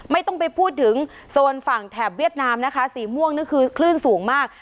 ไม่ต้องไปพูดถึงโซนฝั่งแถบเวียดนามนะคะสีม่วงนี่คือคลื่นสูงมาก